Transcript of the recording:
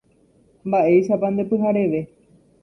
Mba'éichapa nde pyhareve.